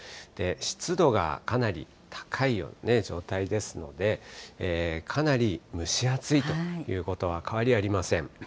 湿度がかなり高いような状態ですので、かなり蒸し暑いということは変わりありません。